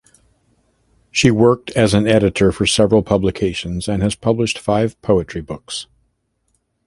She worked as an editor for several publications and has published five poetry books.